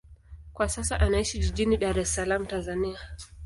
Kwa sasa anaishi jijini Dar es Salaam, Tanzania.